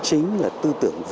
chính là tư tưởng vì dân